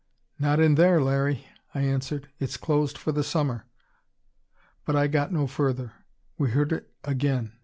"Not in there, Larry," I answered. "It's closed for the summer " But I got no further; we heard it again.